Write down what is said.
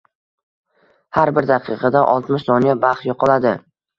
Har bir daqiqada oltmish soniya baxt yo'qoladi.